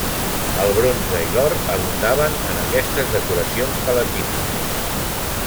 El bronze i l'or abundaven en aquestes decoracions palatines.